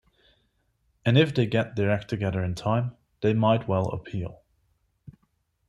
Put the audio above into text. And if they get their act together in time they might well appeal.